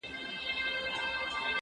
سبزیحات د مور له خوا تيار کيږي؟!